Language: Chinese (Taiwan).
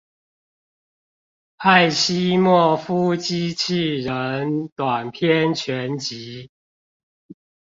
艾西莫夫機器人短篇全集